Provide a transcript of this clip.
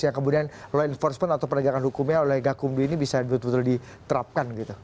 yang kemudian law enforcement atau penegakan hukumnya oleh gakumdu ini bisa betul betul diterapkan gitu